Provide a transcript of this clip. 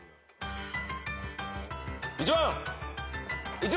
１番！